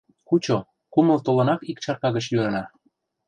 — Кучо, кумыл толынак ик чарка гыч йӱына.